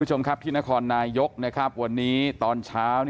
คุณผู้ชมครับที่นครนายกนะครับวันนี้ตอนเช้า